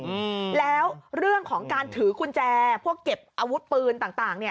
อืมแล้วเรื่องของการถือกุญแจพวกเก็บอาวุธปืนต่างต่างเนี้ย